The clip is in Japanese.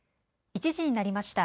１時になりました。